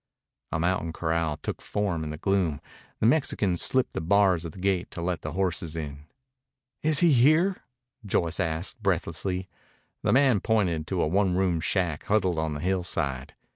A mountain corral took form in the gloom. The Mexican slipped the bars of the gate to let the horses in. "Is he here?" asked Joyce breathlessly. The man pointed to a one room shack huddled on the hillside.